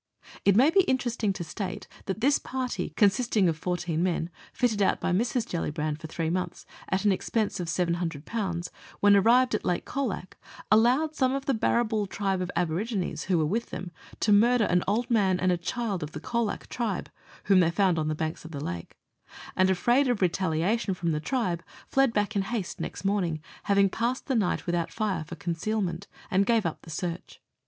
It may be interesting to state that this party, consisting of fourteen men, fitted out by Mrs. Gellibrand for three months, at an expense of 700, when arrived at Lake Colac, allowed some of the Barrabool tribe of aborigines who were with them to murder an old man and a child of the Colac tribe, whom they found on the banks of the lake, and afraid of retaliation from the tribe fled back in haste next morning, having passed the night without fire for concealment, and gave up the search.